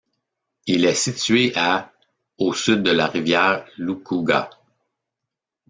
Il est situé à au sud de la rivière Lukuga.